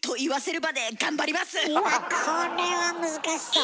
うわこれは難しそう。